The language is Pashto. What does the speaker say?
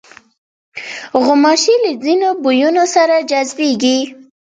غوماشې له ځینو بویونو سره جذبېږي.